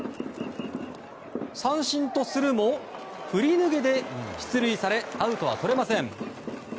三振とするも振り逃げで出塁されアウトは取れません。